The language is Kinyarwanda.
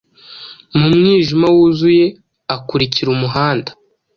Mu mwijima wuzuye akurikira umuhanda